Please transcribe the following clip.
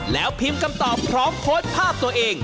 แล้วพิมพ์คำตอบพร้อมโพสต์ภาพตัวเอง